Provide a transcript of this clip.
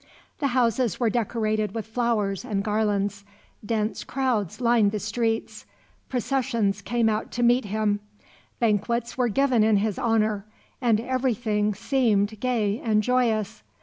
The houses were decorated with flowers and garlands, dense crowds lined the streets, processions came out to meet him; banquets were given in his honor, and everything seemed gay and joyous.